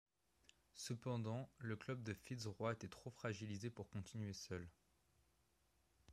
Cependant, le club de Fitzroy était trop fragilisé pour continué seul.